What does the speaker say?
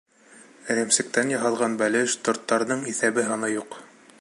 Эремсектән яһалған бәлеш, торттарының иҫәбе-һаны юҡ.